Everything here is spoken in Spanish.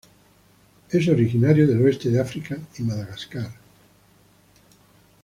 Es originario del este de África y Madagascar.